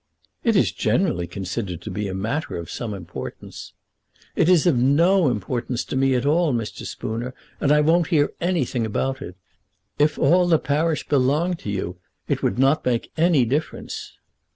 "It is generally considered to be a matter of some importance." "It is of no importance to me, at all, Mr. Spooner; and I won't hear anything about it. If all the parish belonged to you, it would not make any difference."